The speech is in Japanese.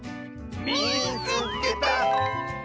「みいつけた！」。